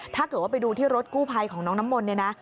ถ้าเกิดว่าไปดูที่รถกู้ภัยของน้องน้ำมนต์เนี่ยนะ